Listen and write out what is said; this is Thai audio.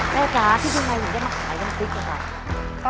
แม่กล้าที่ทำไมถึงจะมาขายน้ำพริกครับ